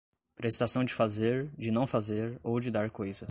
prestação de fazer, de não fazer ou de dar coisa